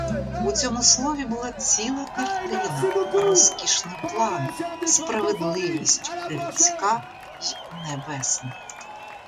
У цьому слові була ціла картина, розкішний план, справедливість людська й небесна.